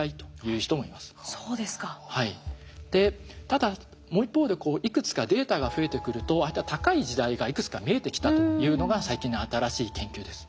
ただもう一方でいくつかデータが増えてくるとああいった高い時代がいくつか見えてきたというのが最近の新しい研究です。